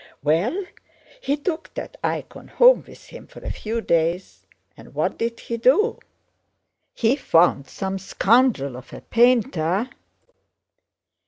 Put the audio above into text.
Well, he took that icon home with him for a few days and what did he do? He found some scoundrel of a painter..."